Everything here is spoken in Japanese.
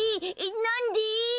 なんで？